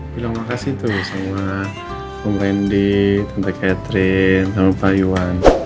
bilang makasih tuh sama om randy tante catherine tante payuan